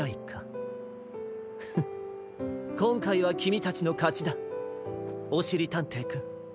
フッこんかいはきみたちのかちだおしりたんていくん。